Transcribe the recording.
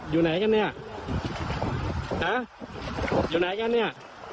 อยู่ไหนกันเนี่ยนะอยู่ไหนกันเนี่ย